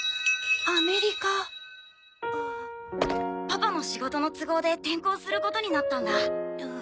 パパの仕事の都合で転校することになったんだ。